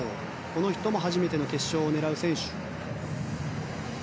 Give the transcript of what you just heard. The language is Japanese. この人も初めての決勝を狙う選手。